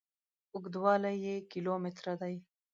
اوږدوالي یې کیلو متره دي.